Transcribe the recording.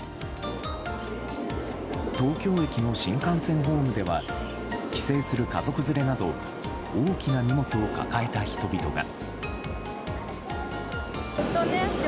東京駅の新幹線ホームでは帰省する家族連れなど大きな荷物を抱えた人々が。